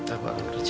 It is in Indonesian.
aku akan kerja